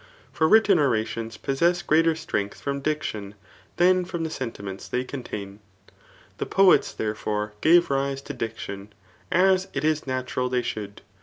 For written orations possess greater strength from diction, than from the sentiments they contain. The poets, there fore, gave rise to diction, as it is natural they should.